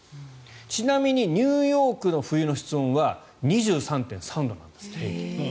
ちなみにニューヨークの冬の室温は２３．３度なんですって、平均。